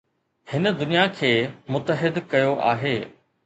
هن دنيا کي متحد ڪيو آهي